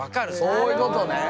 そういうことね。